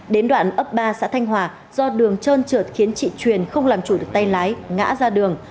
đến đoạn ấp ba xã thanh hòa do đường trơn trượt khiến chị truyền không làm chủ được tay lái ngã ra đường